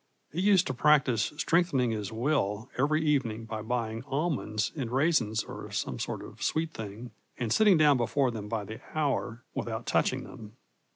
He used to practise strengthening his will every evening by buying almonds and raisins or some sort of sweet thing, and sitting down before them by the hour without touching them.